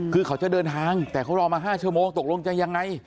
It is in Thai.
คือเขาจะเดินทางแต่เขารอมา๕ชั่วโมงตกลงจะยังไง